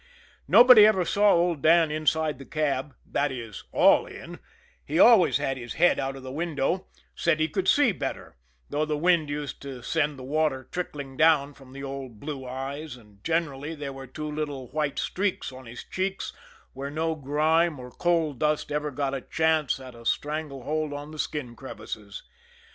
Nobody ever saw old Dan inside the cab, that is, all in he always had his head out of the window said he could see better, though the wind used to send the water trickling down from the old blue eyes, and generally there were two little white streaks on his cheeks where no grime or coal dust ever got a chance at a strangle hold on the skin crevices.